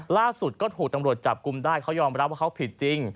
ล่าสุดก็ถูกตำรวจจับกลุ่มได้เขายอมรับว่าเขาผิดจริง